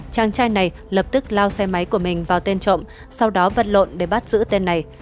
chàng trai này lập tức lao xe máy của mình vào tên trộm sau đó vật lộn để bắt giữ tên này